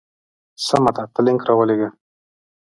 سمه ده ته لینک راولېږه.